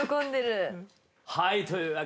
はい。